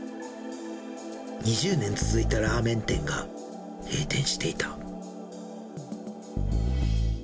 ２０年続いたラーメン店が閉店していた。